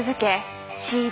ＣＤ